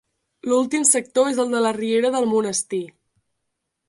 L'últim sector és el de la Riera del Monestir.